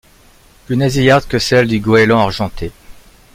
Plus nasillarde que celle du Goéland argenté.